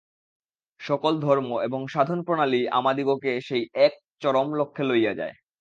সকল ধর্ম এবং সাধন-প্রণালীই আমাদিগকে সেই এক চরম লক্ষ্যে লইয়া যায়।